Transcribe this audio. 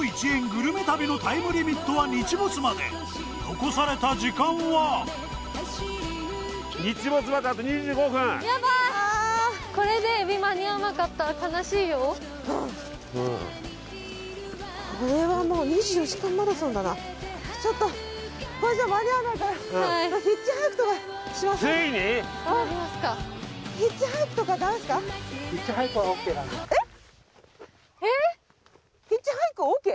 グルメ旅のタイムリミットは日没まで残された時間はやばーいやりますかえっ！？